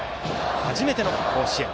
初めての甲子園。